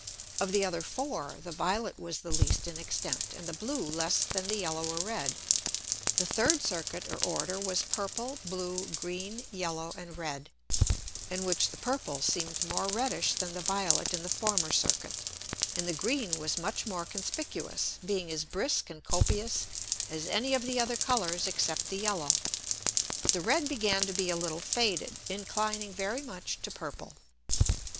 Of the other four, the violet was the least in extent, and the blue less than the yellow or red. The third Circuit or Order was purple, blue, green, yellow, and red; in which the purple seemed more reddish than the violet in the former Circuit, and the green was much more conspicuous, being as brisk and copious as any of the other Colours, except the yellow, but the red began to be a little faded, inclining very much to purple.